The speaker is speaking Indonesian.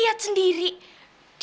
saya akan tahan dari anda